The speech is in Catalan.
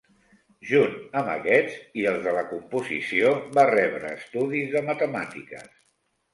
Junt amb aquests i els de la composició, va rebre estudis de matemàtiques.